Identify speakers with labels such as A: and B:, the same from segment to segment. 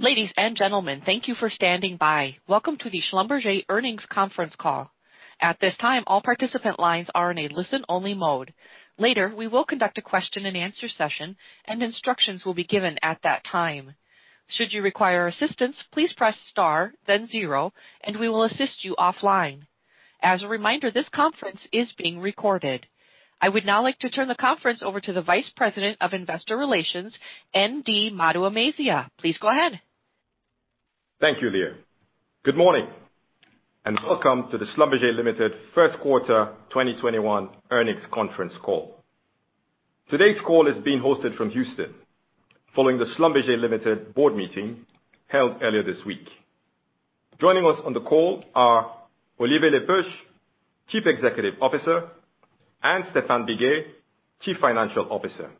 A: Ladies and gentlemen, thank you for standing by. Welcome to the Schlumberger Earnings Conference Call. At this time, all participant lines are in a listen-only mode. Later, we will conduct a question-and-answer session, and instructions will be given at that time. Should you require assistance, please press star, then zero, and we will assist you offline. As a reminder, this conference is being recorded. I would now like to turn the conference over to the Vice President of Investor Relations, Ndubuisi Maduemezia. Please go ahead.
B: Thank you, Leah. Good morning, and welcome to the Schlumberger Limited First Quarter 2021 Earnings Conference Call. Today's call is being hosted from Houston, following the Schlumberger Limited board meeting held earlier this week. Joining us on the call are Olivier Le Peuch, Chief Executive Officer, and Stéphane Biguet, Chief Financial Officer.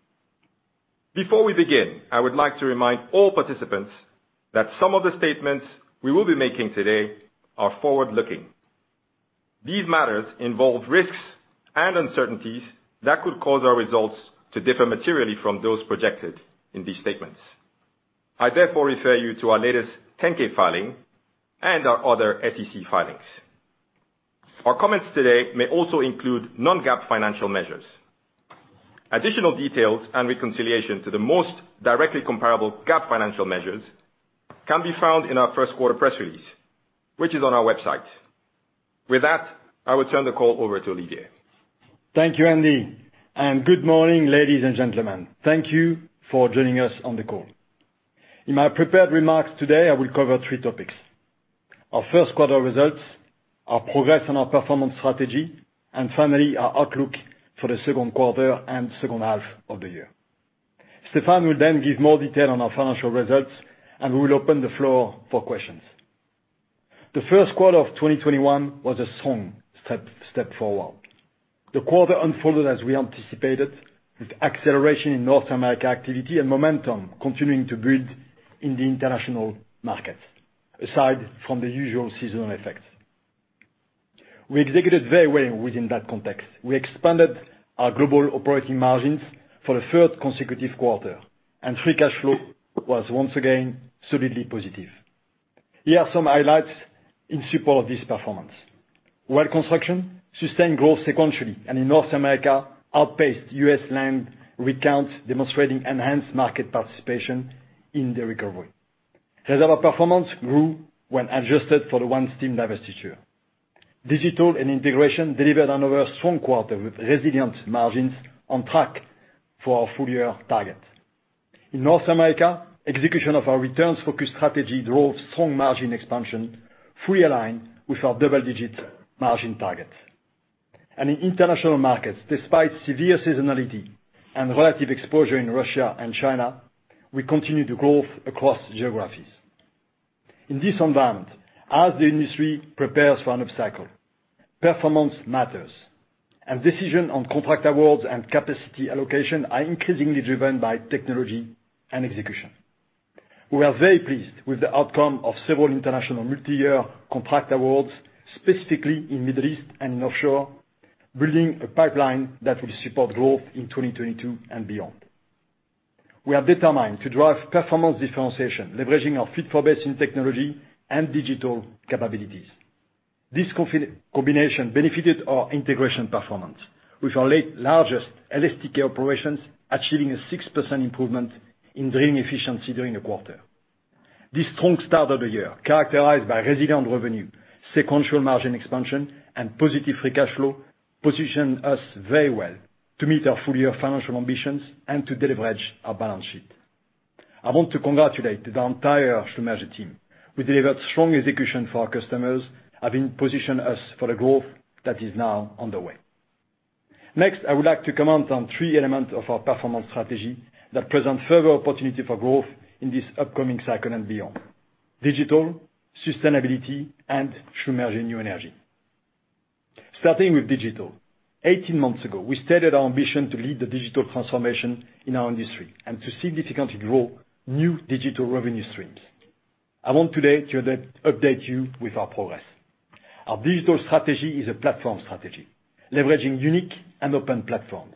B: Before we begin, I would like to remind all participants that some of the statements we will be making today are forward-looking. These matters involve risks and uncertainties that could cause our results to differ materially from those projected in these statements. I therefore refer you to our latest 10-K filing and our other SEC filings. Our comments today may also include non-GAAP financial measures. Additional details and reconciliation to the most directly comparable GAAP financial measures can be found in our first quarter press release, which is on our website. With that, I will turn the call over to Olivier.
C: Thank you, Nd. Good morning, ladies and gentlemen. Thank you for joining us on the call. In my prepared remarks today, I will cover three topics. Our first quarter results, our progress on our performance strategy, and finally, our outlook for the second quarter and second half of the year. Stéphane will then give more detail on our financial results, and we will open the floor for questions. The first quarter of 2021 was a strong step forward. The quarter unfolded as we anticipated, with acceleration in North America activity and momentum continuing to build in the international markets, aside from the usual seasonal effects. We executed very well within that context. We expanded our global operating margins for the third consecutive quarter, and free cash flow was once again solidly positive. Here are some highlights in support of this performance. Well Construction sustained growth sequentially. In North America, outpaced U.S. land rig counts, demonstrating enhanced market participation in the recovery. Reservoir Performance grew when adjusted for the OneStim divestiture. Digital and Integration delivered another strong quarter, with resilient margins on track for our full-year target. In North America, execution of our returns-focused strategy drove strong margin expansion, fully aligned with our double-digit margin target. In international markets, despite severe seasonality and relative exposure in Russia and China, we continued to grow across geographies. In this environment, as the industry prepares for an upcycle, performance matters, and decisions on contract awards and capacity allocation are increasingly driven by technology and execution. We are very pleased with the outcome of several international multiyear contract awards, specifically in Middle East and in offshore, building a pipeline that will support growth in 2022 and beyond. We are determined to drive performance differentiation, leveraging our fit-for-basin technology and digital capabilities. This combination benefited our integration performance, with our largest LSTK operations achieving a 6% improvement in drilling efficiency during the quarter. This strong start of the year, characterized by resilient revenue, sequential margin expansion, and positive free cash flow, position us very well to meet our full-year financial ambitions and to deleverage our balance sheet. I want to congratulate the entire Schlumberger team, who delivered strong execution for our customers, having positioned us for the growth that is now underway. Next, I would like to comment on three elements of our performance strategy that present further opportunity for growth in this upcoming cycle and beyond. Digital, sustainability, and Schlumberger New Energy. Starting with Digital. 18 months ago, we stated our ambition to lead the digital transformation in our industry and to significantly grow new digital revenue streams. I want today to update you with our progress. Our digital strategy is a platform strategy, leveraging unique and open platforms,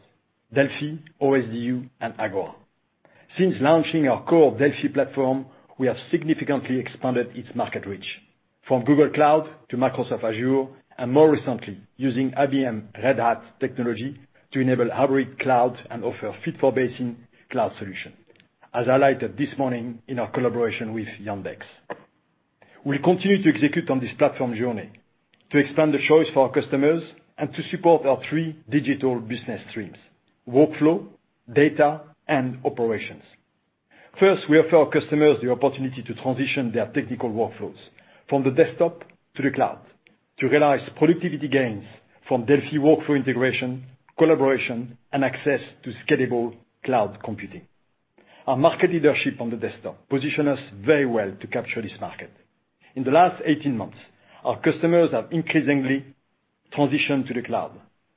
C: DELFI, OSDU, and Agora. Since launching our core DELFI platform, we have significantly expanded its market reach, from Google Cloud to Microsoft Azure, and more recently, using IBM Red Hat technology to enable hybrid cloud and offer fit-for-basin cloud solution, as highlighted this morning in our collaboration with Yandex. We'll continue to execute on this platform journey to expand the choice for our customers and to support our three digital business streams, workflow, data, and operations. First, we offer our customers the opportunity to transition their technical workflows from the desktop to the cloud to realize productivity gains from DELFI workflow integration, collaboration, and access to scalable cloud computing. Our market leadership on the desktop position us very well to capture this market. In the last 18 months, our customers have increasingly transitioned to the cloud,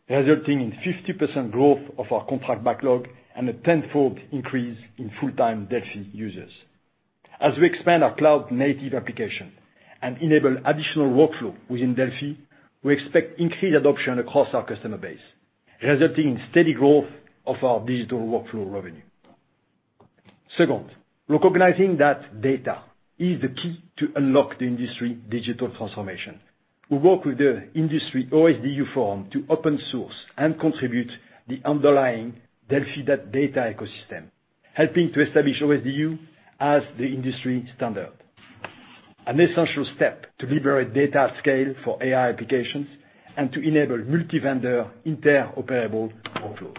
C: resulting in 50% growth of our contract backlog and a tenfold increase in full-time DELFI users. As we expand our cloud-native application and enable additional workflow within DELFI, we expect increased adoption across our customer base, resulting in steady growth of our digital workflow revenue. Second, recognizing that data is the key to unlock the industry digital transformation, we work with the industry OSDU forum to open source and contribute the underlying DELFI data ecosystem, helping to establish OSDU as the industry standard. An essential step to deliver a data scale for AI applications and to enable multi-vendor interoperable workflows.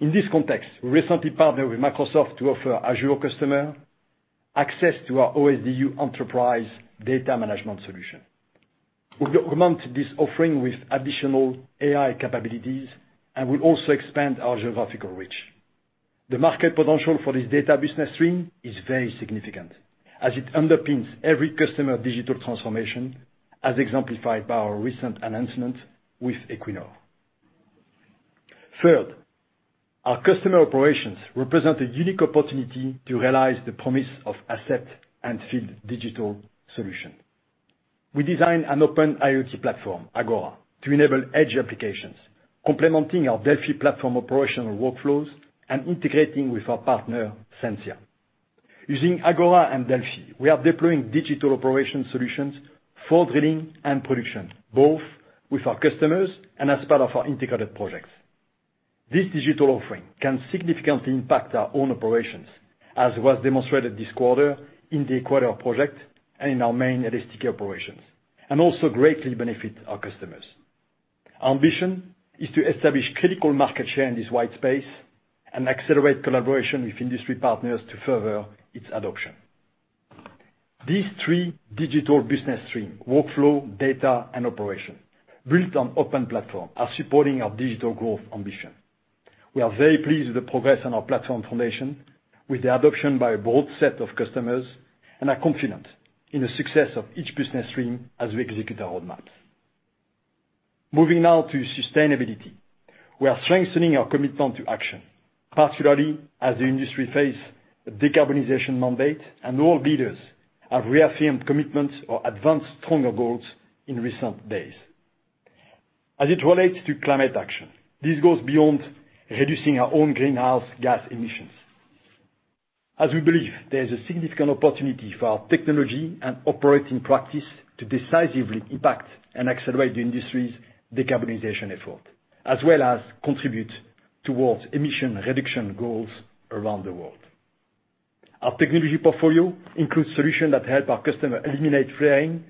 C: In this context, we recently partnered with Microsoft to offer Azure customer access to our OSDU enterprise data management solution. We augment this offering with additional AI capabilities and will also expand our geographical reach. The market potential for this data business stream is very significant, as it underpins every customer digital transformation, as exemplified by our recent announcement with Equinor. Third, our customer operations represent a unique opportunity to realize the promise of asset and field digital solution. We designed an open IoT platform, Agora, to enable edge applications, complementing our DELFI platform operational workflows and integrating with our partner, Sensia. Using Agora and DELFI, we are deploying digital operation solutions for drilling and production, both with our customers and as part of our integrated projects. This digital offering can significantly impact our own operations, as was demonstrated this quarter in the Equinor project and in our main LSTK operations, and also greatly benefit our customers. Our ambition is to establish critical market share in this wide space and accelerate collaboration with industry partners to further its adoption. These three digital business stream, workflow, data, and operation, built on open platform, are supporting our digital growth ambition. We are very pleased with the progress on our platform foundation, with the adoption by a broad set of customers, and are confident in the success of each business stream as we execute our roadmaps. Moving now to sustainability. We are strengthening our commitment to action, particularly as the industry face a decarbonization mandate and world leaders have reaffirmed commitments or advanced stronger goals in recent days. As it relates to climate action, this goes beyond reducing our own greenhouse gas emissions. We believe there is a significant opportunity for our technology and operating practice to decisively impact and accelerate the industry's decarbonization effort, as well as contribute towards emission reduction goals around the world. Our technology portfolio includes solutions that help our customer eliminate flaring,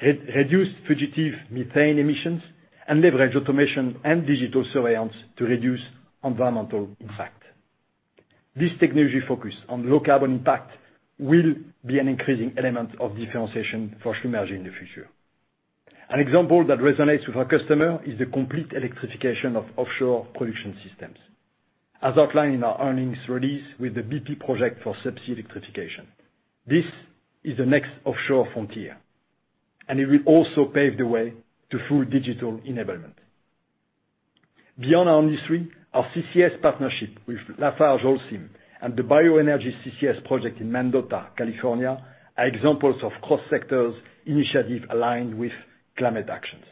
C: reduce fugitive methane emissions, and leverage automation and digital surveillance to reduce environmental impact. This technology focus on low carbon impact will be an increasing element of differentiation for Schlumberger in the future. An example that resonates with our customer is the complete electrification of offshore production systems. Outlined in our earnings release with the BP project for subsea electrification. This is the next offshore frontier, and it will also pave the way to full digital enablement. Beyond our industry, our CCS partnership with LafargeHolcim and the bioenergy CCS project in Mendota, California, are examples of cross-sectors initiative aligned with climate actions.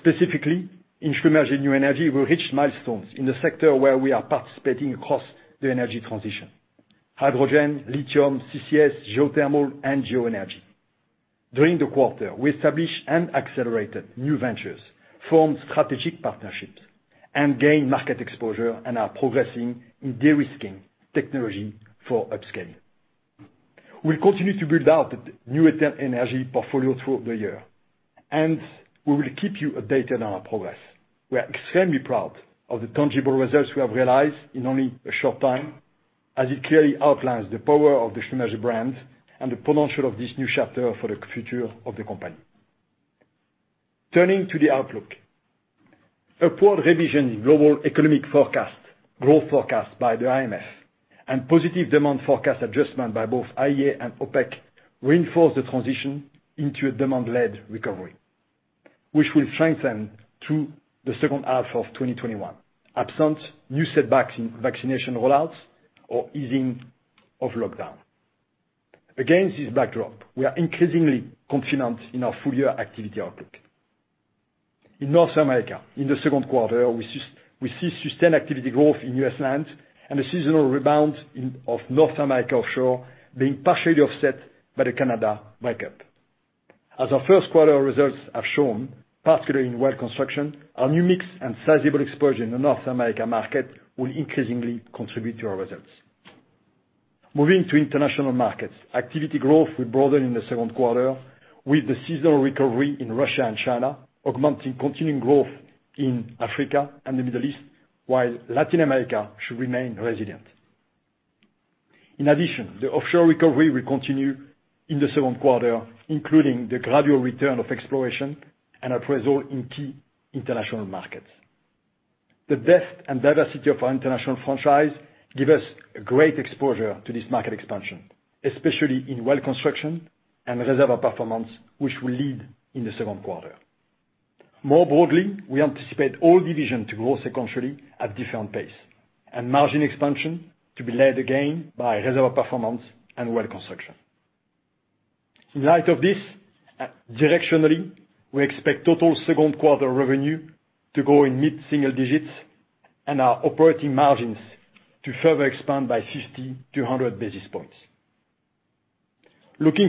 C: Specifically, in Schlumberger New Energy, we reached milestones in the sector where we are participating across the energy transition. Hydrogen, lithium, CCS, geothermal, and geoenergy. During the quarter, we established and accelerated new ventures, formed strategic partnerships, and gained market exposure, and are progressing in de-risking technology for upscale. We'll continue to build out the new energy portfolio throughout the year, and we will keep you updated on our progress. We are extremely proud of the tangible results we have realized in only a short time, as it clearly outlines the power of the Schlumberger brand and the potential of this new chapter for the future of the company. Turning to the outlook. Upward revision in global economic forecast, growth forecast by the IMF, and positive demand forecast adjustment by both IEA and OPEC reinforce the transition into a demand-led recovery, which will strengthen through the second half of 2021, absent new setbacks in vaccination rollouts or easing of lockdown. Against this backdrop, we are increasingly confident in our full-year activity outlook. In North America, in the second quarter, we see sustained activity growth in U.S. lands and a seasonal rebound of North America offshore being partially offset by the Canada breakup. As our first quarter results have shown, particularly in Well Construction, our new mix and sizable exposure in the North America market will increasingly contribute to our results. Moving to international markets, activity growth will broaden in the second quarter with the seasonal recovery in Russia and China, augmenting continuing growth in Africa and the Middle East, while Latin America should remain resilient. In addition, the offshore recovery will continue in the second quarter, including the gradual return of exploration and appraisal in key international markets. The depth and diversity of our international franchise give us great exposure to this market expansion, especially in Well Construction and Reservoir Performance, which will lead in the second quarter. More broadly, we anticipate all divisions to grow sequentially at different pace, and margin expansion to be led again by Reservoir Performance and Well Construction. In light of this, directionally, we expect total second quarter revenue to grow in mid-single digits Looking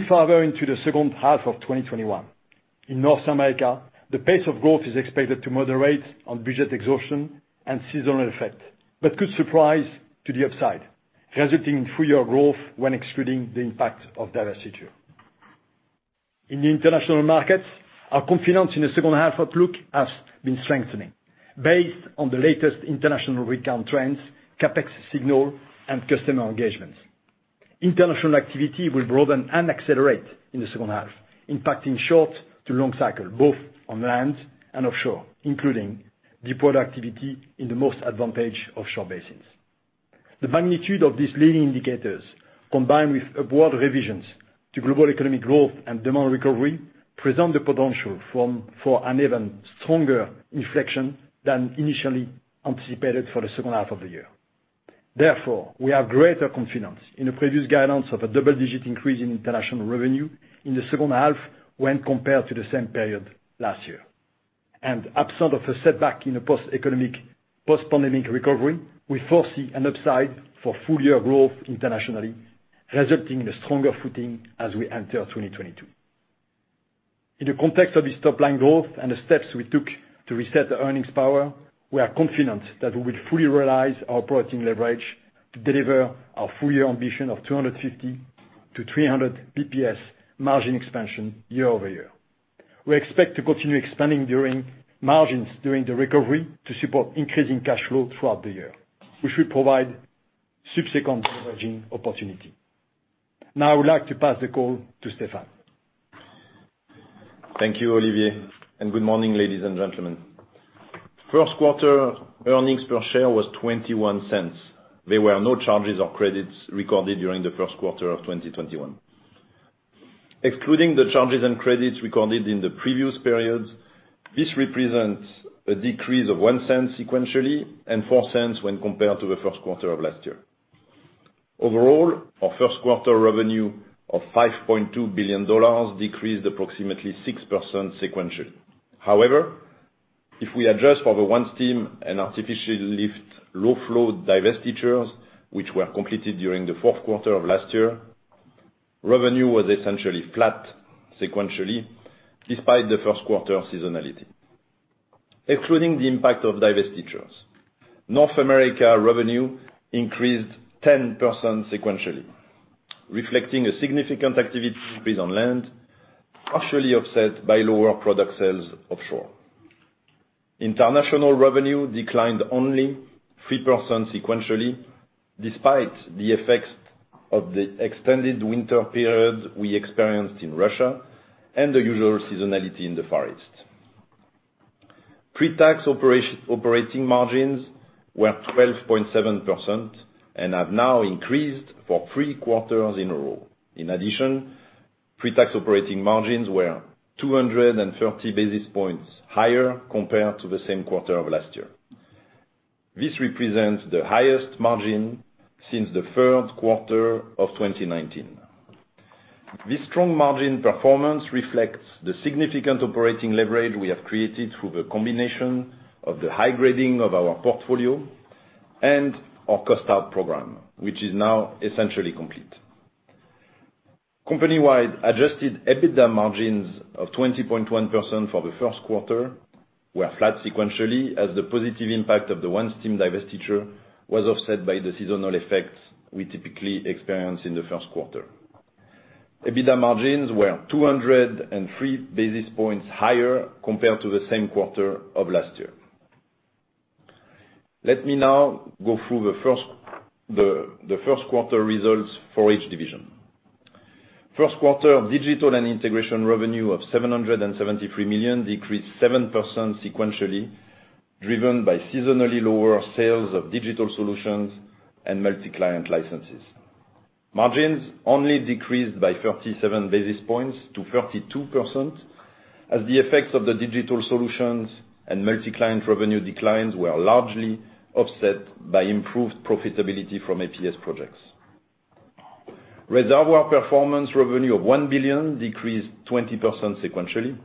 C: further into the second half of 2021, in North America, the pace of growth is expected to moderate on budget exhaustion and seasonal effect, but could surprise to the upside, resulting in full-year growth when excluding the impact of divestiture. In the international markets, our confidence in the second half outlook has been strengthening based on the latest international rig count trends, CapEx signal, and customer engagements. International activity will broaden and accelerate in the second half, impacting short to long cycle, both on land and offshore, including deployed activity in the most advantage offshore basins. The magnitude of these leading indicators, combined with upward revisions to global economic growth and demand recovery, present the potential for an even stronger inflection than initially anticipated for the second half of the year. We have greater confidence in the previous guidance of a double-digit increase in international revenue in the second half when compared to the same period last year. Absent of a setback in the post-pandemic recovery, we foresee an upside for full-year growth internationally, resulting in a stronger footing as we enter 2022. In the context of this top-line growth and the steps we took to reset the earnings power, we are confident that we will fully realize our operating leverage to deliver our full-year ambition of 250 - 300 basis points margin expansion year-over-year. We expect to continue expanding margins during the recovery to support increasing cash flow throughout the year, which will provide subsequent leveraging opportunity. I would like to pass the call to Stéphane.
D: Thank you, Olivier, and good morning, ladies and gentlemen. First quarter earnings per share was $0.21. There were no charges or credits recorded during the first quarter of 2021. Excluding the charges and credits recorded in the previous periods, this represents a decrease of $0.01 sequentially and $0.04 when compared to the first quarter of last year. Overall, our first quarter revenue of $5.2 billion decreased approximately 6% sequentially. If we adjust for the OneStim and Artificial Lift low flow divestitures, which were completed during the fourth quarter of last year, revenue was essentially flat sequentially, despite the first quarter seasonality. Excluding the impact of divestitures, North America revenue increased 10% sequentially, reflecting a significant activity on land, partially offset by lower product sales offshore. International revenue declined only 3% sequentially, despite the effects of the extended winter period we experienced in Russia and the usual seasonality in the Far East. Pre-tax operating margins were 12.7% and have now increased for three quarters in a row. In addition, pre-tax operating margins were 230 basis points higher compared to the same quarter of last year. This represents the highest margin since the third quarter of 2019. This strong margin performance reflects the significant operating leverage we have created through the combination of the high grading of our portfolio and our cost out program, which is now essentially complete. Company-wide adjusted EBITDA margins of 20.1% for the first quarter were flat sequentially as the positive impact of the OneStim divestiture was offset by the seasonal effects we typically experience in the first quarter. EBITDA margins were 203 basis points higher compared to the same quarter of last year. Let me now go through the first quarter results for each division. First quarter Digital & Integration revenue of $773 million decreased 7% sequentially, driven by seasonally lower sales of digital solutions and multi-client licenses. Margins only decreased by 37 basis points to 32% as the effects of the digital solutions and multi-client revenue declines were largely offset by improved profitability from APS projects. Reservoir Performance revenue of $1 billion decreased 20% sequentially.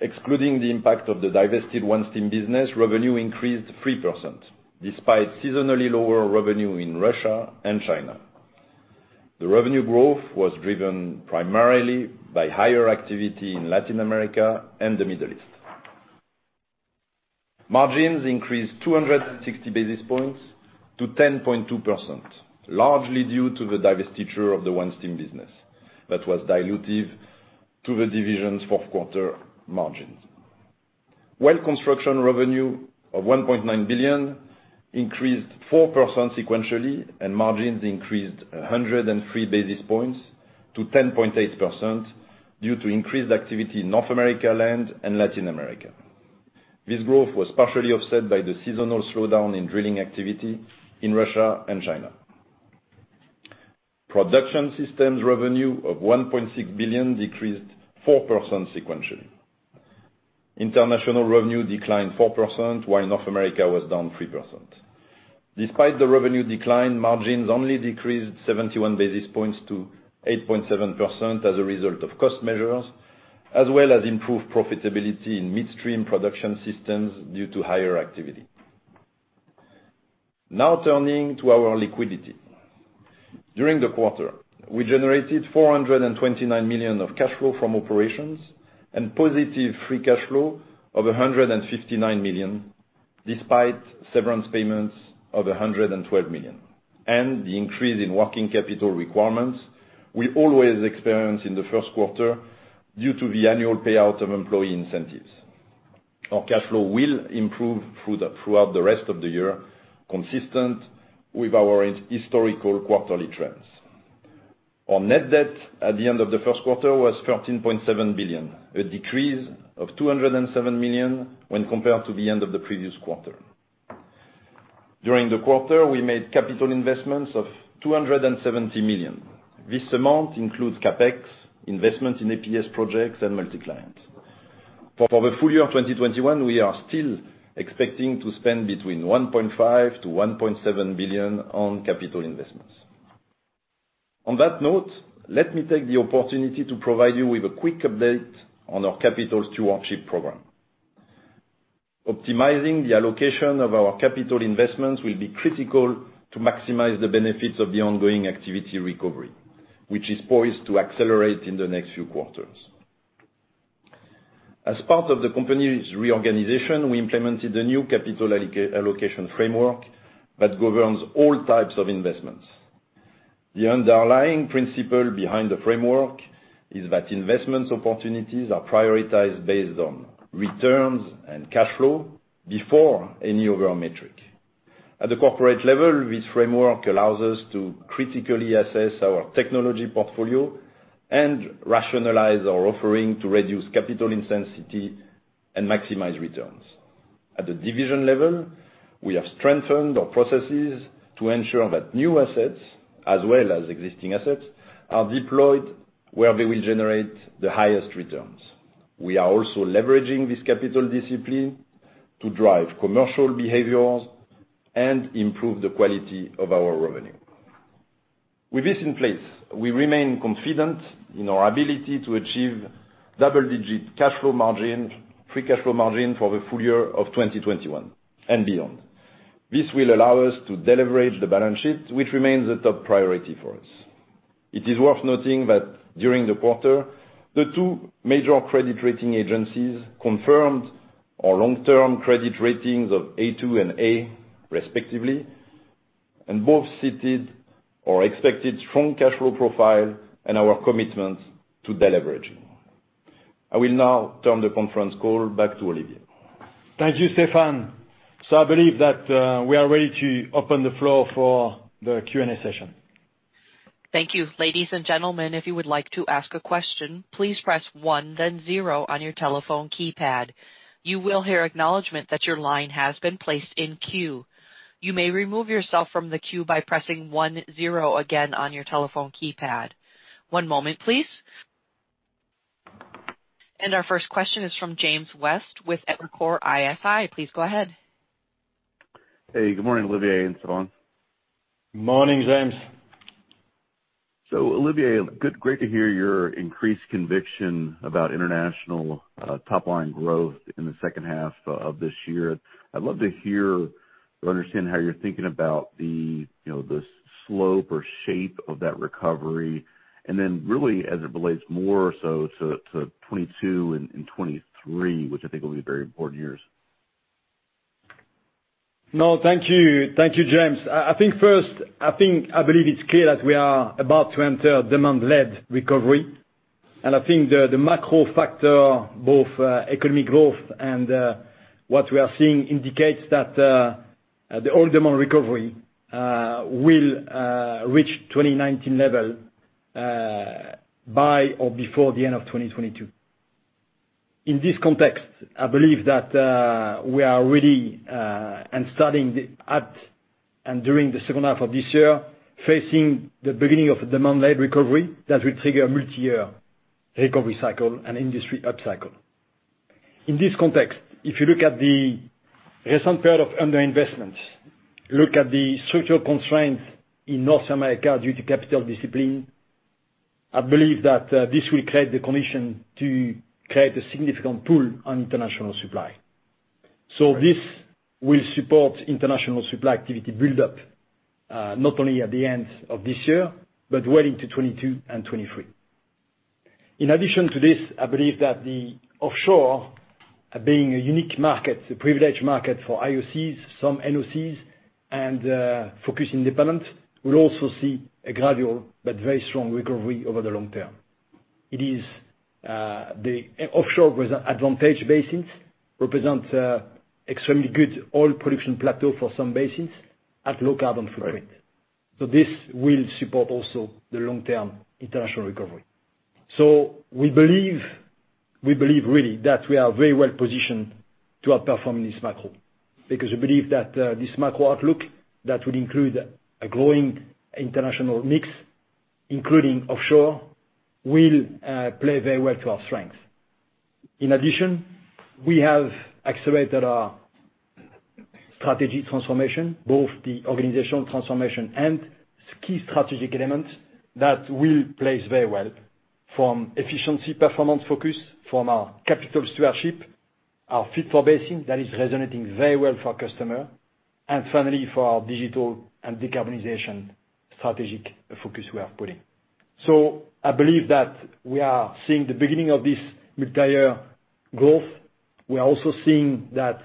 D: Excluding the impact of the divested OneStim business, revenue increased 3%, despite seasonally lower revenue in Russia and China. The revenue growth was driven primarily by higher activity in Latin America and the Middle East. Margins increased 260 basis points to 10.2%, largely due to the divestiture of the OneStim business that was dilutive to the division's fourth quarter margins. Well Construction revenue of $1.9 billion increased 4% sequentially. Margins increased 103 basis points to 10.8% due to increased activity in North America land and Latin America. This growth was partially offset by the seasonal slowdown in drilling activity in Russia and China. Production Systems revenue of $1.6 billion decreased 4% sequentially. International revenue declined 4%, while North America was down 3%. Despite the revenue decline, margins only decreased 71 basis points to 8.7% as a result of cost measures, as well as improved profitability in midstream production systems due to higher activity. Turning to our liquidity. During the quarter, we generated $429 million of cash flow from operations and positive free cash flow of $159 million, despite severance payments of $112 million, and the increase in working capital requirements we always experience in the first quarter due to the annual payout of employee incentives. Our cash flow will improve throughout the rest of the year, consistent with our historical quarterly trends. Our net debt at the end of the first quarter was $13.7 billion, a decrease of $207 million when compared to the end of the previous quarter. During the quarter, we made capital investments of $270 million. This amount includes CapEx, investment in APS projects, and multi-client. For the full-year of 2021, we are still expecting to spend between $1.5 billion-$1.7 billion on capital investments. On that note, let me take the opportunity to provide you with a quick update on our capital stewardship program. Optimizing the allocation of our capital investments will be critical to maximize the benefits of the ongoing activity recovery, which is poised to accelerate in the next few quarters. As part of the company's reorganization, we implemented a new capital allocation framework that governs all types of investments. The underlying principle behind the framework is that investment opportunities are prioritized based on returns and cash flow before any other metric. At the corporate level, this framework allows us to critically assess our technology portfolio and rationalize our offering to reduce capital intensity and maximize returns. At the division level, we have strengthened our processes to ensure that new assets, as well as existing assets, are deployed where they will generate the highest returns. We are also leveraging this capital discipline to drive commercial behaviors and improve the quality of our revenue. With this in place, we remain confident in our ability to achieve double-digit cash flow margin, free cash flow margin for the full-year of 2021 and beyond. This will allow us to de-leverage the balance sheet, which remains a top priority for us. It is worth noting that during the quarter, the two major credit rating agencies confirmed our long-term credit ratings of A2 and A respectively, and both cited our expected strong cash flow profile and our commitment to de-leveraging. I will now turn the conference call back to Olivier.
C: Thank you, Stéphane. I believe that we are ready to open the floor for the Q&A session.
A: Thank you. Ladies and gentlemen, if you would like to ask a question, please press one then zero on your telephone keypad. You will hear acknowledgement that your line has been placed in queue. You may remove yourself from the queue by pressing one, zero again on your telephone keypad. One moment, please. Our first question is from James West with Evercore ISI. Please go ahead.
E: Hey, good morning, Olivier and Stéphane.
C: Morning, James.
E: Olivier, great to hear your increased conviction about international top-line growth in the second half of this year. I'd love to hear or understand how you're thinking about the slope or shape of that recovery, and then really as it relates more so to 2022 and 2023, which I think will be very important years.
C: No, thank you, James. I think first, I believe it's clear that we are about to enter a demand-led recovery. I think the macro factor, both economic growth and what we are seeing, indicates that the oil demand recovery will reach 2019 level by or before the end of 2022. In this context, I believe that we are really during the second half of this year, facing the beginning of demand-led recovery that will trigger a multi-year recovery cycle and industry upcycle. In this context, if you look at the recent period of underinvestment, look at the structural constraints in North America due to capital discipline, I believe that this will create the condition to create a significant pull on international supply. This will support international supply activity buildup, not only at the end of this year, but well into 2022 and 2023. In addition to this, I believe that the offshore, being a unique market, a privileged market for IOCs, some NOCs, and focused independents, will also see a gradual but very strong recovery over the long-term. It is the offshore advantage basins represent extremely good oil production plateau for some basins at low carbon footprint.
E: Right.
C: This will support also the long-term international recovery. We believe, really, that we are very well positioned to outperform this macro, because we believe that this macro outlook that would include a growing international mix, including offshore, will play very well to our strengths. In addition, we have accelerated our strategy transformation, both the organizational transformation and key strategic elements that will place very well from efficiency performance focus from our capital stewardship, our fit-for-basin, that is resonating very well for customer, and finally, for our Digital and Decarbonization strategic focus we are putting. I believe that we are seeing the beginning of this multi-year growth. We are also seeing that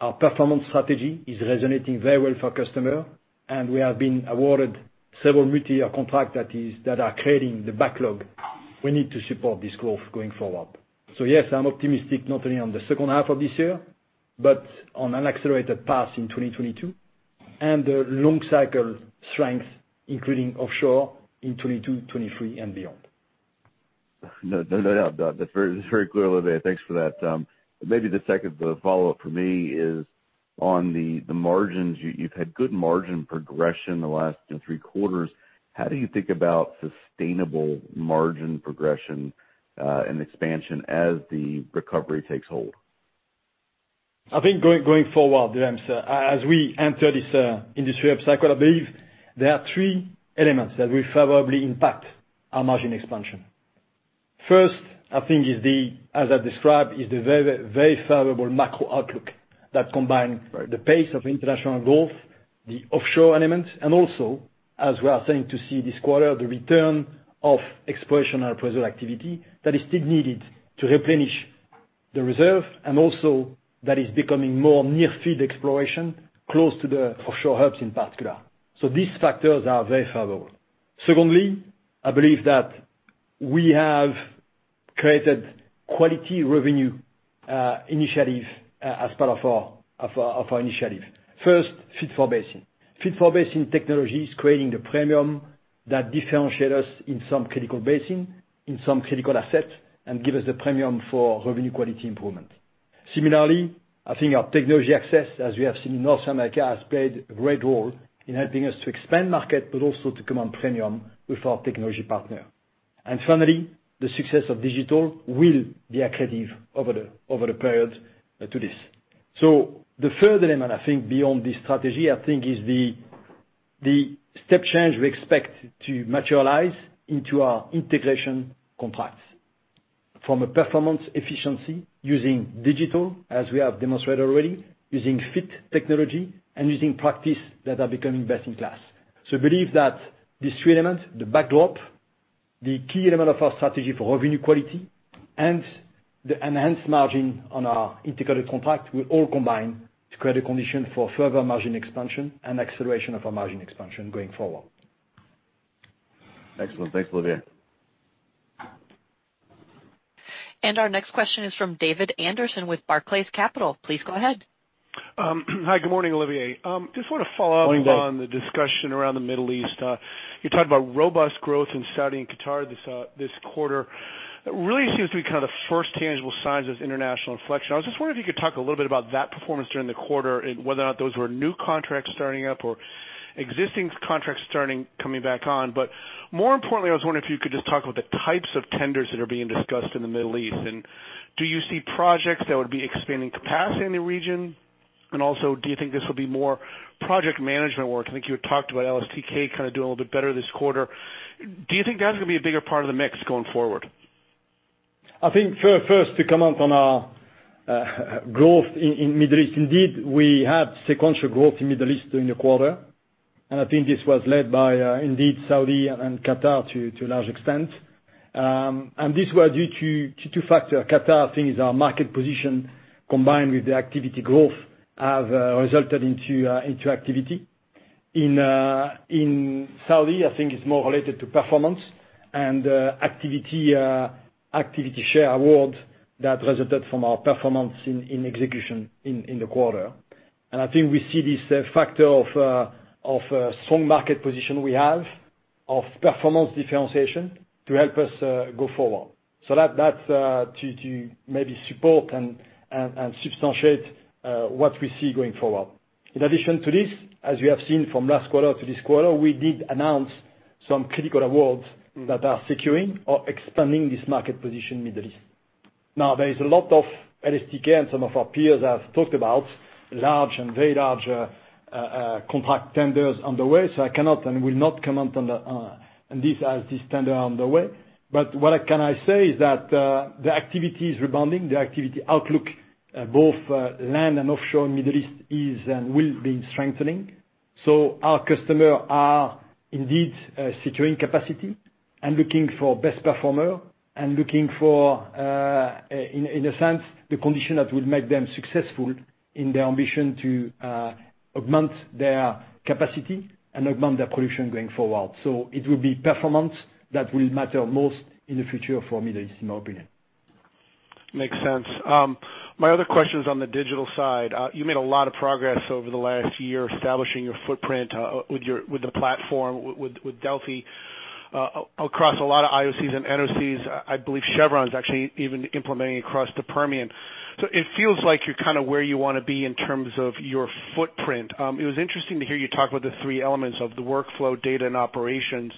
C: our performance strategy is resonating very well for customer, and we have been awarded several multi-year contract that are creating the backlog we need to support this growth going forward. Yes, I'm optimistic not only on the second half of this year, but on an accelerated path in 2022 and the long cycle strength, including offshore in 2022, 2023, and beyond.
E: No doubt. That's very clear, Olivier. Thanks for that. The second follow-up for me is on the margins. You've had good margin progression the last three quarters. How do you think about sustainable margin progression, and expansion as the recovery takes hold?
C: I think going forward, as we enter this industry up cycle, I believe there are three elements that will favorably impact our margin expansion. First, as I described, is the very favorable macro outlook that combine the pace of international growth, the offshore element, and also as we are starting to see this quarter, the return of exploration and appraisal activity that is still needed to replenish the reserve, and also that is becoming more near field exploration close to the offshore hubs in particular. These factors are very favorable. Secondly, I believe that we have created quality revenue initiative as part of our initiative. First, fit-for-basin. fit-for-basin technology is creating the premium that differentiate us in some critical basin, in some critical asset, and give us the premium for revenue quality improvement. Similarly, I think our technology access, as we have seen in North America, has played a great role in helping us to expand market, but also to command premium with our technology partner. Finally, the success of digital will be accretive over the period to this. The third element, I think, beyond this strategy, I think is the step change we expect to materialize into our integration contracts. From a performance efficiency using digital, as we have demonstrated already, using fit technology and using practice that are becoming best in class. Believe that these three elements, the backdrop, the key element of our strategy for revenue quality and the enhanced margin on our integrated contract will all combine to create a condition for further margin expansion and acceleration of our margin expansion going forward.
E: Excellent. Thanks, Olivier.
A: Our next question is from David Anderson with Barclays Capital. Please go ahead.
F: Hi, good morning, Olivier.
C: Morning, David.
F: on the discussion around the Middle East. You talked about robust growth in Saudi and Qatar this quarter. Really seems to be kind of the first tangible signs of international inflection. I was just wondering if you could talk a little bit about that performance during the quarter and whether or not those were new contracts starting up or existing contracts coming back on. More importantly, I was wondering if you could just talk about the types of tenders that are being discussed in the Middle East, and do you see projects that would be expanding capacity in the region? Also, do you think this will be more project management work? I think you had talked about LSTK kind of doing a little bit better this quarter. Do you think that's going to be a bigger part of the mix going forward?
C: To comment on our growth in Middle East, we have sequential growth in Middle East during the quarter, this was led by Saudi and Qatar to a large extent. This was due to two factor. Qatar, is our market position combined with the activity growth have resulted into activity. In Saudi, it's more related to performance and activity share award that resulted from our performance in execution in the quarter. We see this factor of strong market position we have of performance differentiation to help us go forward. That's to maybe support and substantiate what we see going forward. In addition to this, as you have seen from last quarter to this quarter, we did announce some critical awards that are securing or expanding this market position in Middle East. There is a lot of LSTK and some of our peers have talked about large and very large contract tenders on the way, so I cannot and will not comment on this as this tender on the way. What can I say is that the activity is rebounding. The activity outlook, both land and offshore in Middle East is and will be strengthening. Our customer are indeed securing capacity and looking for best performer and looking for, in a sense, the condition that will make them successful in their ambition to augment their capacity and augment their production going forward. It will be performance that will matter most in the future for Middle East, in my opinion.
F: Makes sense. My other question is on the digital side. You made a lot of progress over the last year establishing your footprint with the platform, with DELFI, across a lot of IOCs and NOCs. I believe Chevron's actually even implementing across the Permian. It feels like you're kind of where you want to be in terms of your footprint. It was interesting to hear you talk about the three elements of the workflow data and operations.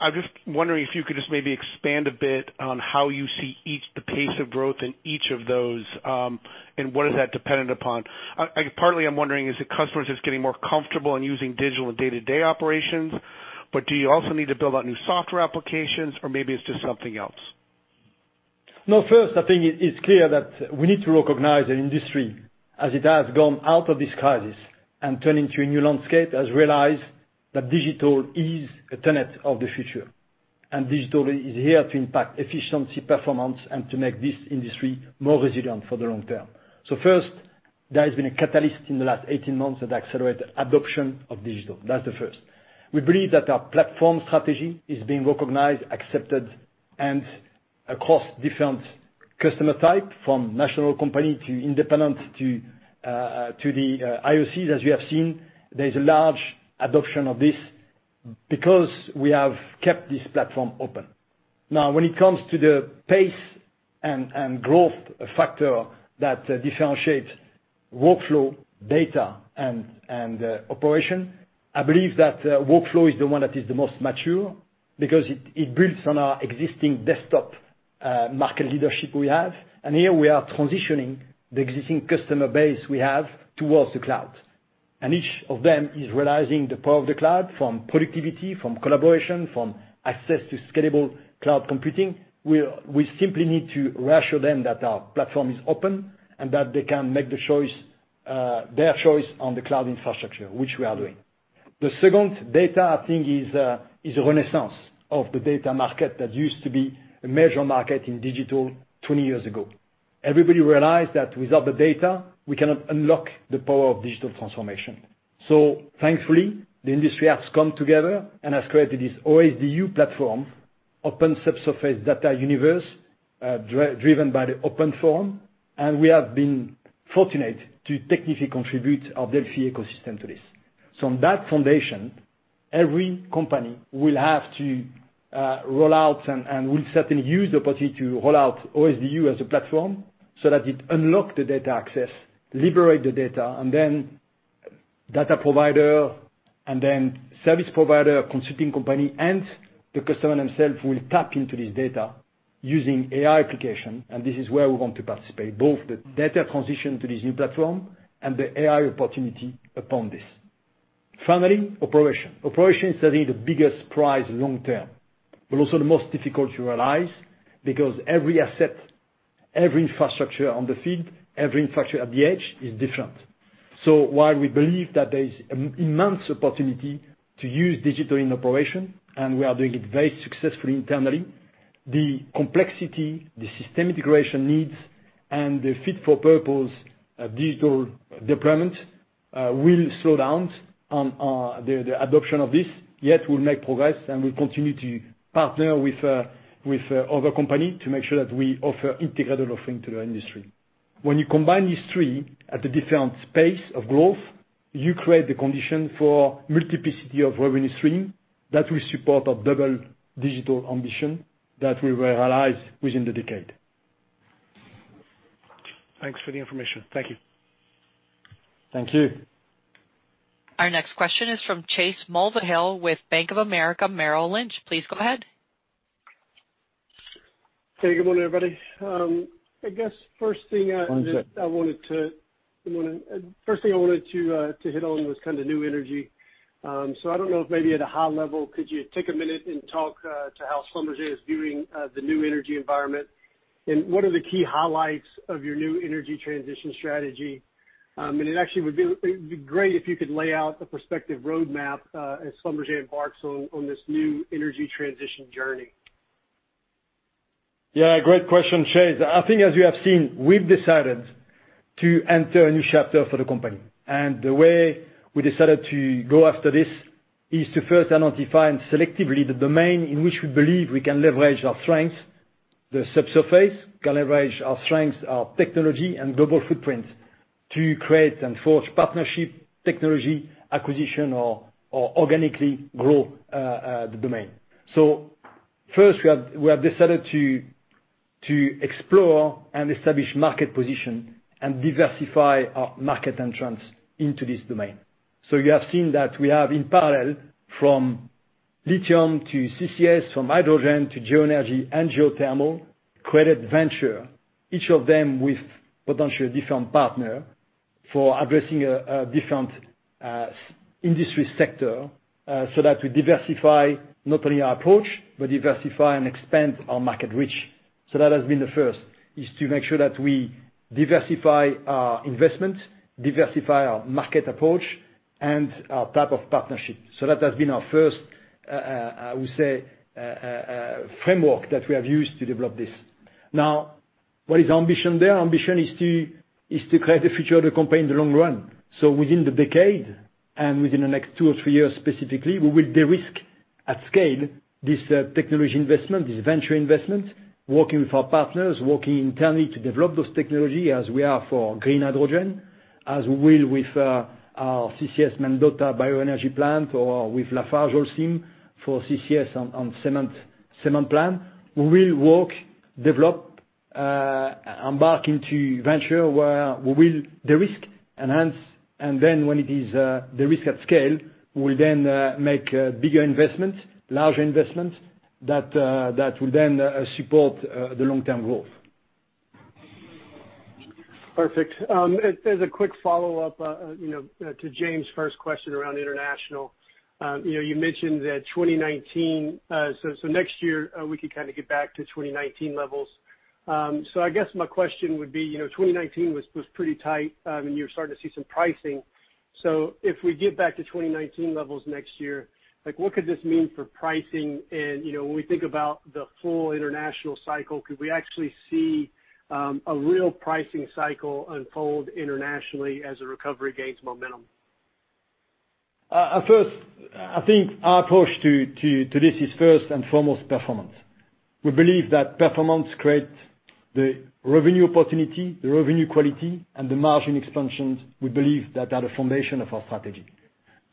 F: I'm just wondering if you could just maybe expand a bit on how you see the pace of growth in each of those, and what is that dependent upon? Partly, I'm wondering, is it customers just getting more comfortable in using digital in day-to-day operations, but do you also need to build out new software applications or maybe it's just something else?
C: First, I think it's clear that we need to recognize an industry as it has gone out of this crisis and turn into a new landscape, has realized that digital is a tenet of the future, and digital is here to impact efficiency, performance, and to make this industry more resilient for the long-term. First, there has been a catalyst in the last 18 months that accelerated adoption of digital. That's the first. We believe that our platform strategy is being recognized, accepted, and across different customer type, from national company to independent to the IOCs, as you have seen, there is a large adoption of this because we have kept this platform open. Now, when it comes to the pace and growth factor that differentiates workflow, data, and operation, I believe that workflow is the one that is the most mature because it builds on our existing desktop market leadership we have. Here we are transitioning the existing customer base we have towards the cloud. Each of them is realizing the power of the cloud, from productivity, from collaboration, from access to scalable cloud computing. We simply need to reassure them that our platform is open and that they can make their choice on the cloud infrastructure, which we are doing. The second data I think is a renaissance of the data market that used to be a major market in digital 20 years ago. Everybody realized that without the data, we cannot unlock the power of digital transformation. Thankfully, the industry has come together and has created this OSDU platform, Open Subsurface Data Universe, driven by the Open Forum, and we have been fortunate to technically contribute our DELFI ecosystem to this. On that foundation, every company will have to roll out and will certainly use the opportunity to roll out OSDU as a platform so that it unlock the data access, liberate the data, and then data provider, and then service provider, consulting company, and the customer themself will tap into this data using AI application, and this is where we want to participate, both the data transition to this new platform and the AI opportunity upon this. Finally, operation. Operation is certainly the biggest prize long-term, but also the most difficult to realize because every asset, every infrastructure on the field, every infrastructure at the edge is different. While we believe that there is immense opportunity to use digital in operation, and we are doing it very successfully internally, the complexity, the system integration needs, and the fit for purpose digital deployment will slow down on the adoption of this. We'll make progress, and we'll continue to partner with other company to make sure that we offer integrated offering to the industry. When you combine these three at a different pace of growth, you create the condition for multiplicity of revenue stream that will support our double-digit ambition that we will realize within the decade.
F: Thanks for the information. Thank you.
C: Thank you.
A: Our next question is from Chase Mulvehill with Bank of America Merrill Lynch. Please go ahead.
G: Hey, good morning, everybody.
C: One sec.
G: I wanted to hit on was kind of New Energy. I don't know if maybe at a high level, could you take a minute and talk to how SLB is viewing the New Energy environment, and what are the key highlights of your New Energy transition strategy? It actually would be great if you could lay out a prospective roadmap as SLB embarks on this New Energy transition journey.
C: Yeah, great question, Chase. I think as you have seen, we've decided to enter a new chapter for the company. The way we decided to go after this is to first identify and selectively the domain in which we believe we can leverage our strengths, the subsurface, can leverage our strengths, our technology, and global footprint to create and forge partnership, technology, acquisition, or organically grow the domain. First, we have decided to explore and establish market position and diversify our market entrance into this domain. You have seen that we have, in parallel, from lithium to CCS, from hydrogen to geoenergy and geothermal, credit venture, each of them with potentially a different partner for addressing a different industry sector so that we diversify not only our approach, but diversify and expand our market reach. That has been the first, is to make sure that we diversify our investment, diversify our market approach, and our type of partnership. That has been our first, I would say, framework that we have used to develop this. Now, what is our ambition there? Our ambition is to create the future of the company in the long run. Within the decade and within the next two or three years specifically, we will de-risk at scale this technology investment, this venture investment, working with our partners, working internally to develop those technology as we are for green hydrogen, as we will with our CCS Mendota bioenergy plant or with LafargeHolcim for CCS on cement plant. We will work, Embark into venture where we will, the risk enhance. When it is the risk at scale, we will then make bigger investments, larger investments that will then support the long-term growth.
G: Perfect. As a quick follow-up to James' first question around international, you mentioned that 2019, next year we could kind of get back to 2019 levels. I guess my question would be, 2019 was pretty tight, and you were starting to see some pricing. If we get back to 2019 levels next year, what could this mean for pricing? When we think about the full international cycle, could we actually see a real pricing cycle unfold internationally as the recovery gains momentum?
C: First, I think our approach to this is first and foremost performance. We believe that performance creates the revenue opportunity, the revenue quality, and the margin expansions. We believe that are the foundation of our strategy.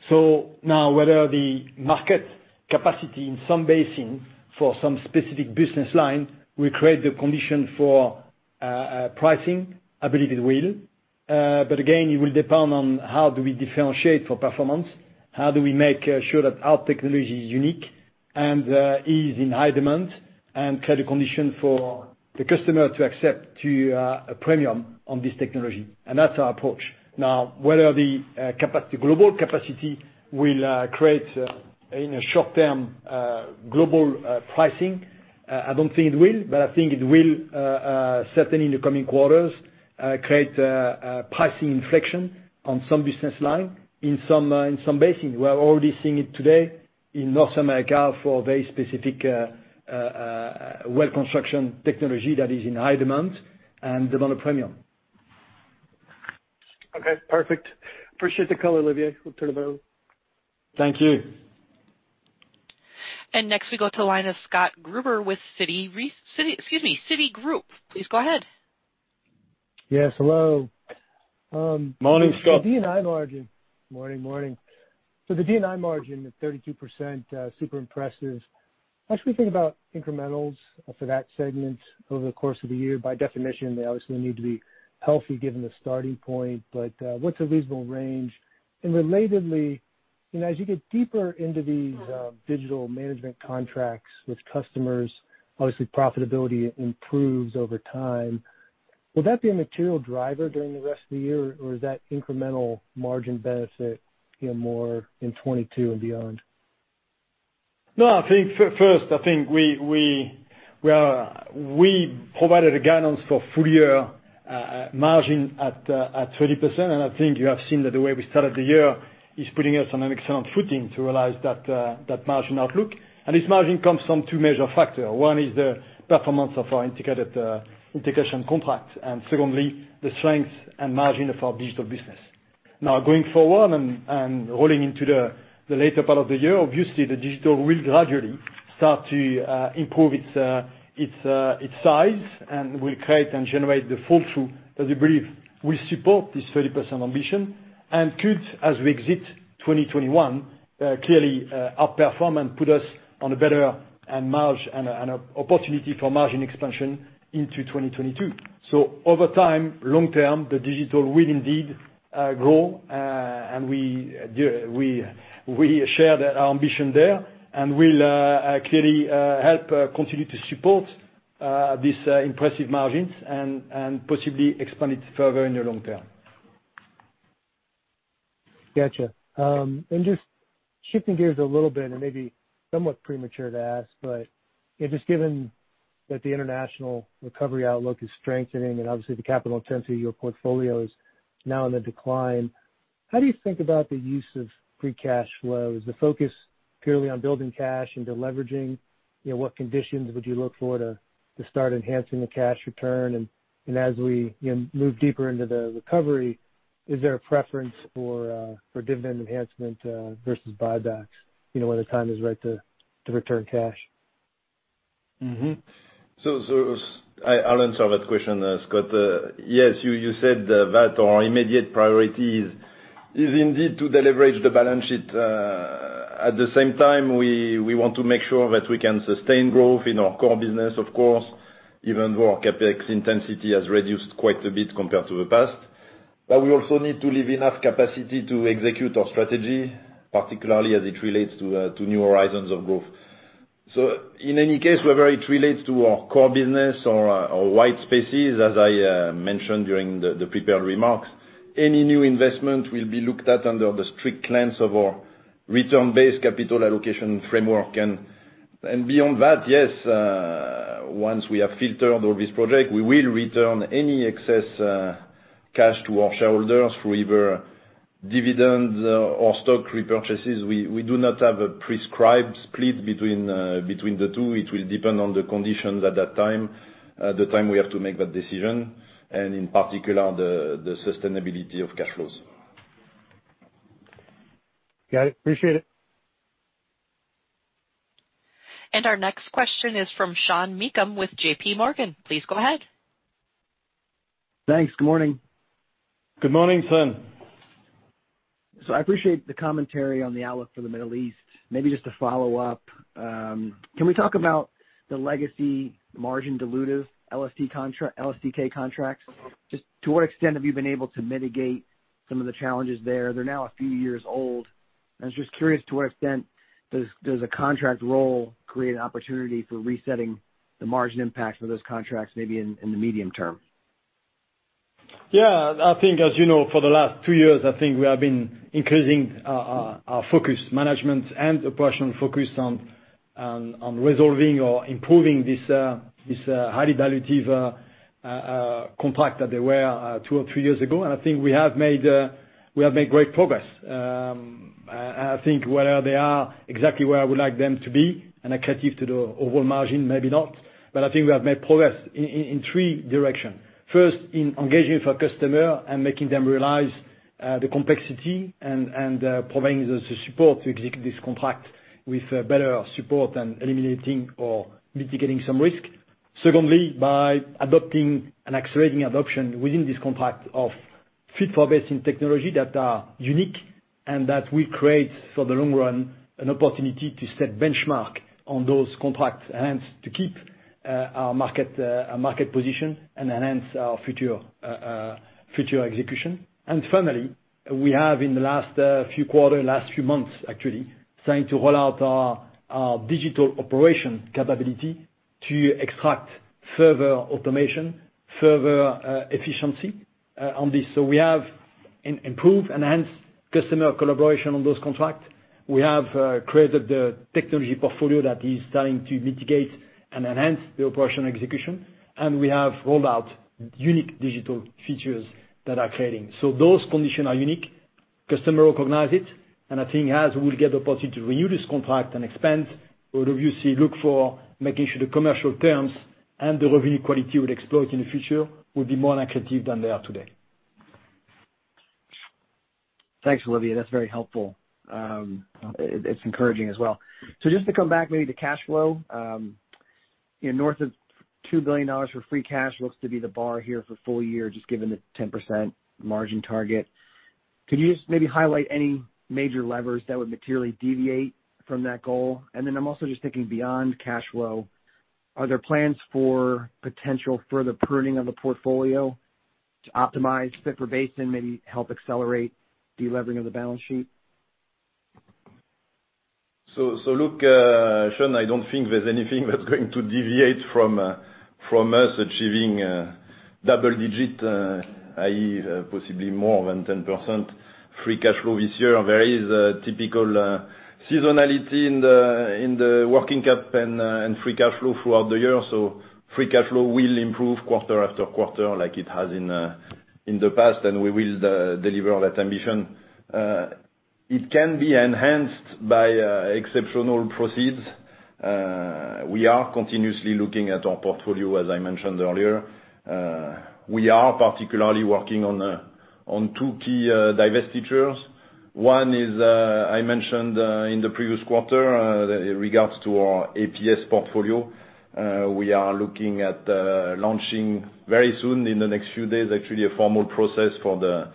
C: Whether the market capacity in some basin for some specific business line will create the condition for pricing, I believe it will. Again, it will depend on how do we differentiate for performance, how do we make sure that our technology is unique and is in high demand and create a condition for the customer to accept to a premium on this technology. That's our approach. Now, whether the global capacity will create in a short-term global pricing, I don't think it will, but I think it will certainly in the coming quarters create a pricing inflection on some business line in some basin. We are already seeing it today in North America for very specific Well Construction technology that is in high demand and demand a premium.
G: Okay, perfect. Appreciate the color, Olivier. We'll turn it over.
C: Thank you.
A: Next we go to the line of Scott Gruber with Citigroup. Please go ahead.
H: Yes, hello.
C: Morning, Scott.
H: Morning. The D&I margin at 32%, super impressive. As we think about incrementals for that segment over the course of the year, by definition, they obviously need to be healthy given the starting point, but what's a reasonable range? Relatedly, as you get deeper into these digital management contracts with customers, obviously profitability improves over time. Will that be a material driver during the rest of the year, or is that incremental margin benefit more in 2022 and beyond?
C: First, I think we provided a guidance for full-year margin at 30%, and I think you have seen that the way we started the year is putting us on an excellent footing to realize that margin outlook. This margin comes from two major factor. One is the performance of our Integration contract, and secondly, the strength and margin of our Digital business. Going forward and rolling into the later part of the year, obviously, the Digital will gradually start to improve its size and will create and generate the pull-through that we believe will support this 30% ambition, and could, as we exit 2021, clearly outperform and put us on a better opportunity for margin expansion into 2022. Over time, long-term, the Digital will indeed grow, and we share that ambition there, and will clearly help continue to support these impressive margins and possibly expand it further in the long-term.
H: Got you. Just shifting gears a little bit and maybe somewhat premature to ask, but if it's given that the international recovery outlook is strengthening and obviously the capital intensity of your portfolio is now in the decline, how do you think about the use of free cash flows, the focus purely on building cash and deleveraging? What conditions would you look for to start enhancing the cash return? As we move deeper into the recovery, is there a preference for dividend enhancement versus buybacks when the time is right to return cash?
D: I'll answer that question, Scott. You said that our immediate priority is indeed to deleverage the balance sheet. At the same time, we want to make sure that we can sustain growth in our core business, of course, even though our CapEx intensity has reduced quite a bit compared to the past. We also need to leave enough capacity to execute our strategy, particularly as it relates to new horizons of growth. In any case, whether it relates to our core business or white spaces, as I mentioned during the prepared remarks, any new investment will be looked at under the strict lens of our return-based capital allocation framework. Beyond that, yes, once we have filtered all this project, we will return any excess cash to our shareholders through either dividends or stock repurchases. We do not have a prescribed split between the two.
C: It will depend on the conditions at that time, the time we have to make that decision, and in particular, the sustainability of cash flows.
H: Got it. Appreciate it.
A: Our next question is from Sean Meakim with JP Morgan. Please go ahead.
I: Thanks. Good morning.
C: Good morning, Sean.
I: I appreciate the commentary on the outlook for the Middle East. Maybe just to follow up, can we talk about the legacy margin dilutive LSTK contracts? Just to what extent have you been able to mitigate some of the challenges there? They're now a few years old. I was just curious to what extent does a contract role create an opportunity for resetting the margin impact for those contracts maybe in the medium term?
C: Yeah. I think, as you know, for the last two years, I think we have been increasing our focus, management and operation focus on resolving or improving this highly dilutive contract that they were two or three years ago. We have made great progress. I think whether they are exactly where I would like them to be and accretive to the overall margin, maybe not. We have made progress in three directions. First, in engaging for customer and making them realize the complexity and providing the support to execute this contract with better support and eliminating or mitigating some risk. Secondly, by adopting and accelerating adoption within this contract of fit-for-basin technology that are unique and that will create for the long run an opportunity to set benchmark on those contracts and to keep our market position and enhance our future execution. Finally, we have, in the last few quarter, last few months actually, starting to roll out our digital operation capability to extract further automation, further efficiency on this. We have improved and enhanced customer collaboration on those contracts. We have created the technology portfolio that is starting to mitigate and enhance the operational execution, and we have rolled out unique digital features that are creating. Those conditions are unique. Customer recognize it, and I think as we get the opportunity to renew this contract and expand, we would obviously look for making sure the commercial terms and the revenue quality we develop in the future will be more accretive than they are today.
I: Thanks, Olivier. That's very helpful. It's encouraging as well. Just to come back maybe to cash flow. North of $2 billion for free cash looks to be the bar here for full-year, just given the 10% margin target. Could you just maybe highlight any major levers that would materially deviate from that goal? I'm also just thinking beyond cash flow, are there plans for potential further pruning of the portfolio to optimize fit-for-basin, maybe help accelerate de-levering of the balance sheet?
D: Look, Sean, I don't think there's anything that's going to deviate from us achieving double-digit, i.e., possibly more than 10% free cash flow this year. There is a typical seasonality in the working cap and free cash flow throughout the year. Free cash flow will improve quarter after quarter like it has in the past, and we will deliver on that ambition. It can be enhanced by exceptional proceeds. We are continuously looking at our portfolio, as I mentioned earlier. We are particularly working on two key divestitures. One is, I mentioned in the previous quarter, regards to our APS portfolio. We are looking at launching very soon, in the next few days actually, a formal process for the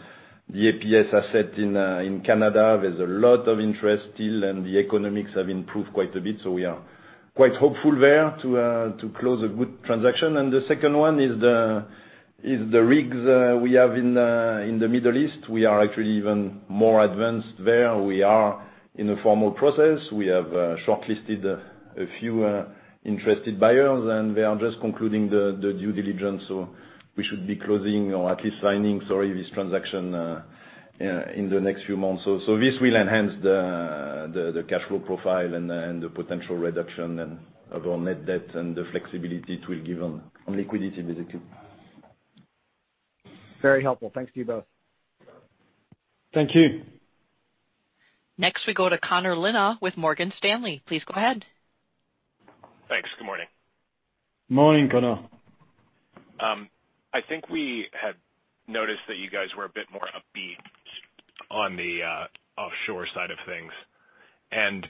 D: APS asset in Canada. There's a lot of interest still, and the economics have improved quite a bit. We are quite hopeful there to close a good transaction. The second one is the rigs we have in the Middle East. We are actually even more advanced there. We are in a formal process. We have shortlisted a few interested buyers, and we are just concluding the due diligence. We should be closing or at least signing this transaction in the next few months. This will enhance the cash flow profile and the potential reduction of our net debt and the flexibility it will give on liquidity basically.
I: Very helpful. Thanks to you both.
C: Thank you.
A: Next we go to Connor Lynagh with Morgan Stanley. Please go ahead.
J: Thanks. Good morning.
C: Morning, Connor.
J: I think we had noticed that you guys were a bit more upbeat on the offshore side of things.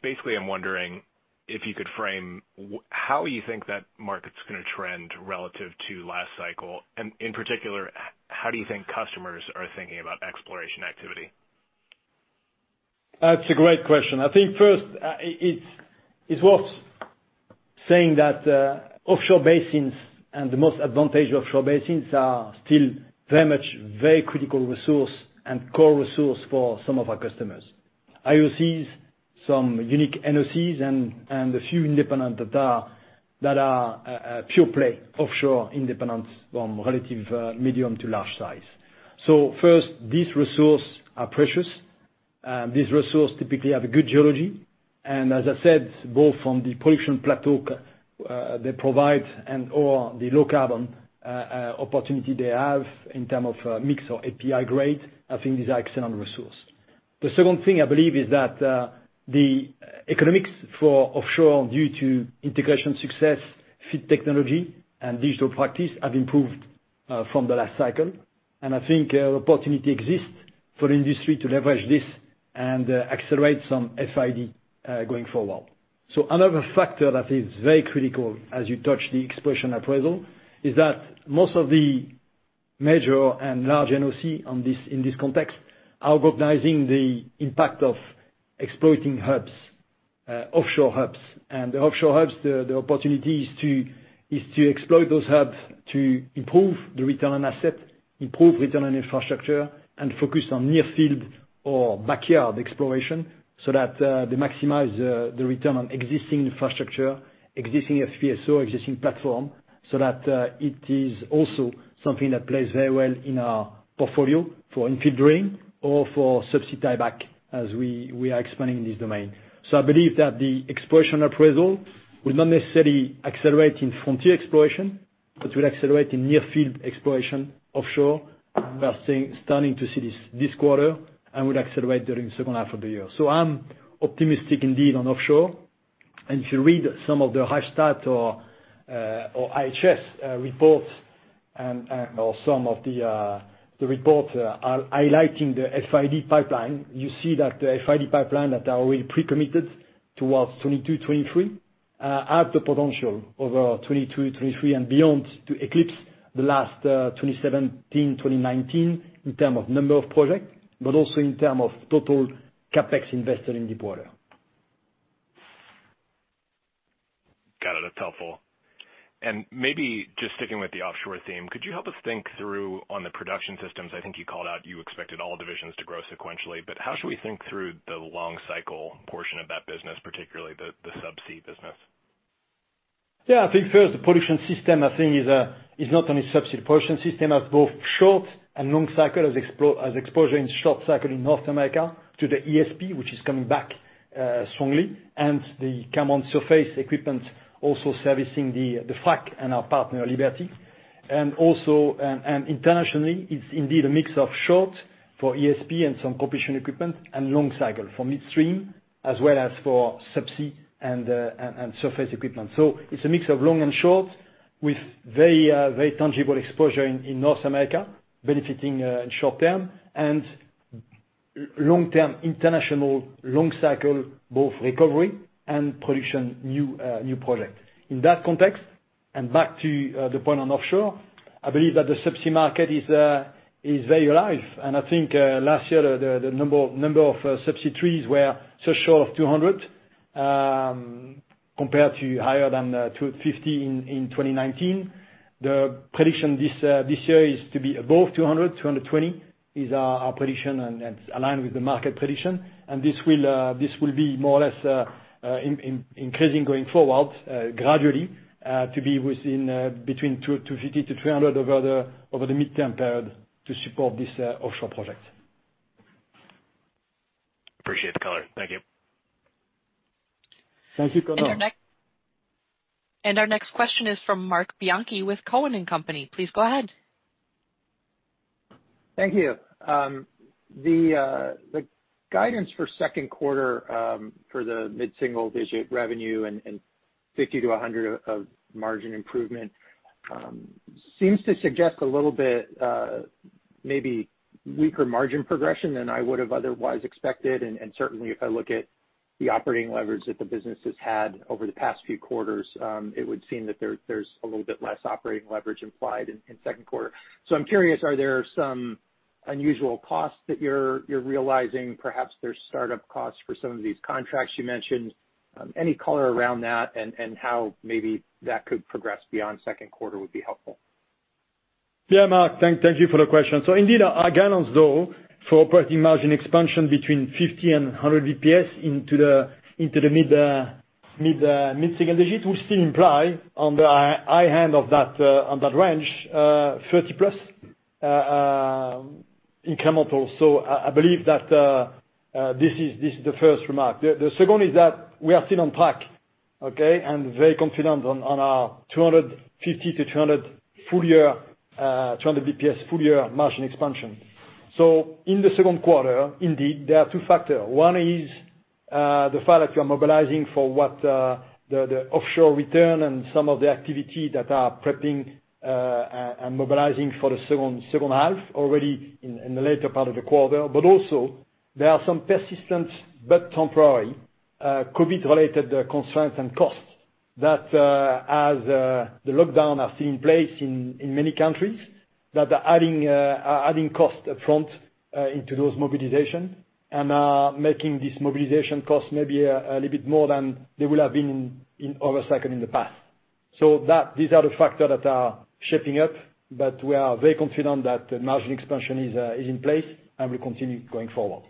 J: Basically, I'm wondering if you could frame how you think that market's gonna trend relative to last cycle. In particular, how do you think customers are thinking about exploration activity?
C: That's a great question. I think first, it's worth saying that offshore basins and the most advantage offshore basins are still very much very critical resource and core resource for some of our customers. IOCs, some unique NOCs, and a few independent that are pure play offshore independents from relative medium to large size. First, these resource are precious. These resource typically have a good geology. As I said, both from the production plateau, they provide and/or the low carbon opportunity they have in term of mix or API grade, I think is excellent resource. The second thing I believe is that the economics for offshore due to integration success, fit technology and digital practice have improved from the last cycle. I think opportunity exists for industry to leverage this and accelerate some FID going forward. Another factor that is very critical as you touch the exploration appraisal is that most of the Major and large NOC in this context are organizing the impact of exploiting hubs, offshore hubs. The offshore hubs, the opportunity is to exploit those hubs to improve the return on asset, improve return on infrastructure, and focus on near field or backyard exploration so that they maximize the return on existing infrastructure, existing FPSO, existing platform, so that it is also something that plays very well in our portfolio for infill drilling or for subsea tieback as we are expanding in this domain. I believe that the exploration appraisal will not necessarily accelerate in frontier exploration, but will accelerate in near field exploration offshore. We are starting to see this this quarter and would accelerate during second half of the year. I'm optimistic indeed on offshore. If you read some of the Rystad or IHS reports or some of the reports are highlighting the FID pipeline. You see that the FID pipeline that are already pre-committed towards 2022, 2023, have the potential over 2022, 2023, and beyond to eclipse the last 2017, 2019 in term of number of project, but also in term of total CapEx invested in the quarter.
J: Got it. That's helpful. Maybe just sticking with the offshore theme, could you help us think through on the Production Systems, I think you called out you expected all divisions to grow sequentially, but how should we think through the long cycle portion of that business, particularly the subsea business?
C: Yeah, I think first, the Production Systems is not only subsea Production Systems. Have both short and long cycle as exposure in short cycle in North America to the ESP, which is coming back strongly, and the come on surface equipment also servicing the frack and our partner, Liberty. Internationally, it's indeed a mix of short for ESP and some compression equipment and long cycle for midstream as well as for subsea and surface equipment. It's a mix of long and short with very tangible exposure in North America, benefiting short-term and long-term international long cycle, both recovery and production new project. In that context, back to the point on offshore, I believe that the subsea market is very alive. I think last year, the number of subsea trees were just short of 200, compared to higher than 250 in 2019. The prediction this year is to be above 200. 220 is our prediction, that's aligned with the market prediction. This will be more or less increasing going forward gradually, to be within between 250 to 300 over the midterm period to support this offshore project.
J: Appreciate the color. Thank you.
C: Thank you, Connor.
A: Our next question is from Marc Bianchi with Cowen and Company. Please go ahead.
K: Thank you. The guidance for second quarter, for the mid-single digit revenue and 50 -100 of margin improvement, seems to suggest a little bit maybe weaker margin progression than I would have otherwise expected, and certainly if I look at the operating leverage that the business has had over the past few quarters, it would seem that there's a little bit less operating leverage implied in second quarter. I'm curious, are there some unusual costs that you're realizing? Perhaps there's startup costs for some of these contracts you mentioned. Any color around that and how maybe that could progress beyond second quarter would be helpful.
C: Yeah, Marc, thank you for the question. Indeed, our guidance though, for operating margin expansion between 50 and 100 basis points into the mid-single digit will still imply on the high end of that range, 30+ incremental. I believe that this is the first remark. The second is that we are still on track, okay? Very confident on our 250 to 200 full-year, 200 basis points full-year margin expansion. In the second quarter, indeed, there are two factor. One is the fact that you are mobilizing for what the offshore return and some of the activity that are prepping and mobilizing for the second half already in the later part of the quarter. Also there are some persistent but temporary COVID-related constraints and costs that as the lockdown are still in place in many countries, that are adding cost up front into those mobilization and are making this mobilization cost maybe a little bit more than they would have been in over cycle in the past. These are the factors that are shaping up, but we are very confident that margin expansion is in place and will continue going forward.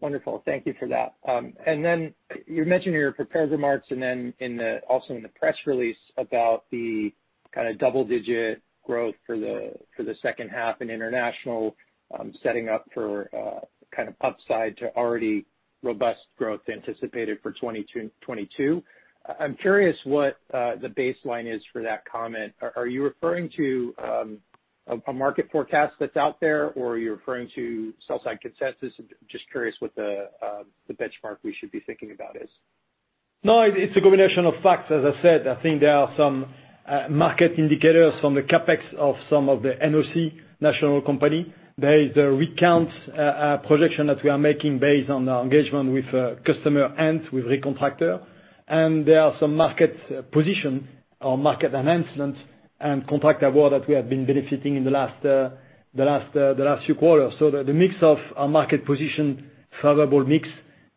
K: Wonderful. Thank you for that. You mentioned in your prepared remarks and then also in the press release about the kind of double digit growth for the second half in international, setting up for kind of upside to already robust growth anticipated for 2022. I'm curious what the baseline is for that comment. Are you referring to a market forecast that's out there, or are you referring to sell side consensus? Just curious what the benchmark we should be thinking about is?
C: No, it's a combination of facts. As I said, I think there are some market indicators from the CapEx of some of the NOC, National Oil Company. There is the rig count projection that we are making based on our engagement with customer and with rig contractor. There are some market position or market enhancements and contract award that we have been benefiting in the last few quarters. The mix of our market position, favorable mix,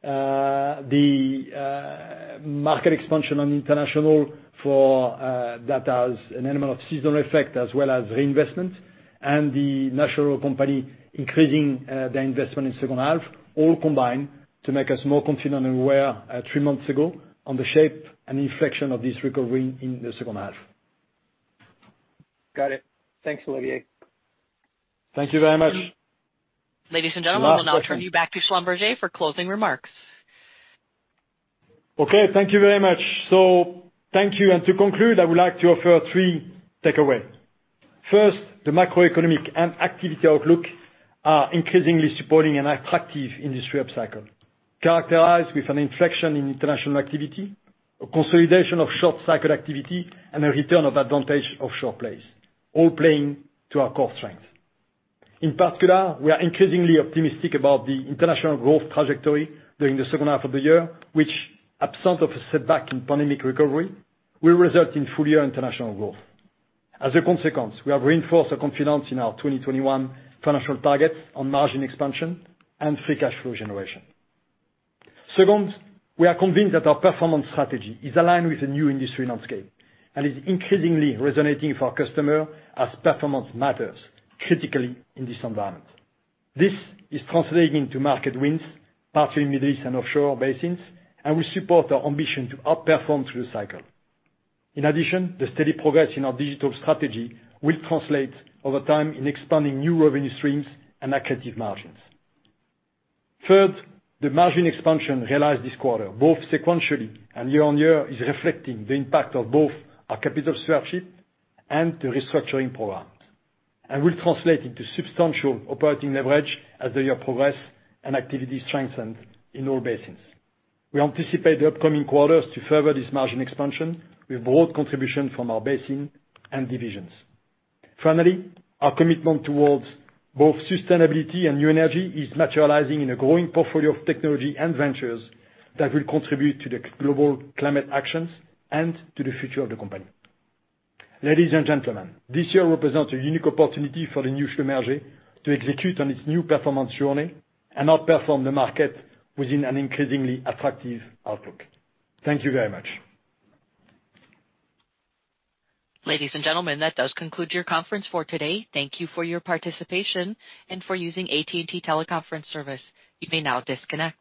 C: the market expansion on international that has an element of seasonal effect as well as reinvestment, and the National Oil Company increasing their investment in second half, all combine to make us more confident than we were three months ago on the shape and inflection of this recovery in the second half.
K: Got it. Thanks, Olivier.
C: Thank you very much.
A: Ladies and gentlemen, we will now turn you back to Schlumberger for closing remarks.
C: Okay, thank you very much. Thank you, and to conclude, I would like to offer three takeaway. First, the macroeconomic and activity outlook are increasingly supporting an attractive industry upcycle, characterized with an inflection in international activity, a consolidation of short cycle activity, and a return of advantaged offshore plays, all playing to our core strength. In particular, we are increasingly optimistic about the international growth trajectory during the second half of the year, which, absent of a setback in pandemic recovery, will result in full-year international growth. As a consequence, we have reinforced our confidence in our 2021 financial targets on margin expansion and free cash flow generation. Second, we are convinced that our performance strategy is aligned with the new industry landscape and is increasingly resonating for our customer as performance matters critically in this environment. This is translating to market wins, partly in Middle East and offshore basins, and will support our ambition to outperform through the cycle. In addition, the steady progress in our Digital strategy will translate over time in expanding new revenue streams and accretive margins. Third, the margin expansion realized this quarter, both sequentially and year-on-year, is reflecting the impact of both our capital stewardship and the restructuring programs, and will translate into substantial operating leverage as the year progress and activity strengthen in all basins. We anticipate the upcoming quarters to favor this margin expansion with broad contribution from our basin and divisions. Finally, our commitment towards both sustainability and New Energy is materializing in a growing portfolio of technology and ventures that will contribute to the global climate actions and to the future of the company. Ladies and gentlemen, this year represents a unique opportunity for the new SLB to execute on its new performance journey and outperform the market within an increasingly attractive outlook. Thank you very much.
A: Ladies and gentlemen, that does conclude your conference for today. Thank you for your participation and for using AT&T Teleconference service. You may now disconnect.